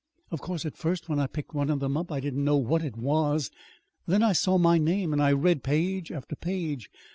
"Of course, at first, when I picked one of them up, I didn't know what it was. Then I saw my name, and I read page after page.